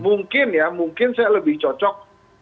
mungkin ya mungkin saya lebih cocok